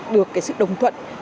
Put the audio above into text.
được cái sự đồng thuận